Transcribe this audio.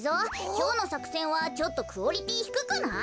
きょうのさくせんはちょっとクオリティーひくくない？